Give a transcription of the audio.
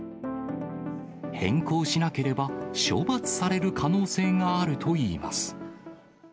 変更しなければ、処罰される可能性があるといいます。